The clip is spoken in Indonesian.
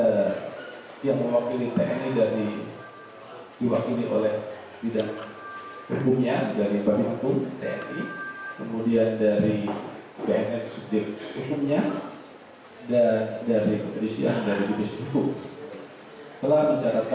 dia mewakili tni dan diwakili oleh bidang hukumnya dari banyu hukum tni kemudian dari bnn sudir hukumnya dan dari kepolisian dari divisi hukum